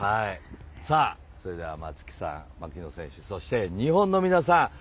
それでは松木さん、槙野選手そして日本の皆さん